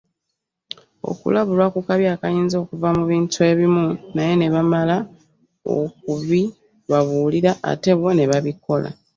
Okulabulwa ku kabi akayinza okuva mu bintu ebimu naye ne bamala okubibabuulira ate bo ne babikola.